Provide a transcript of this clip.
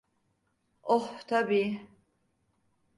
Oh, tabi.